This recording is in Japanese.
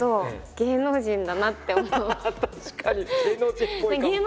芸能人っぽいかも。